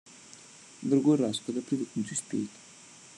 В другой раз, когда привыкнуть успеет.